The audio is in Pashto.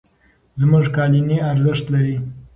زموږ قالینې ارزښت لري.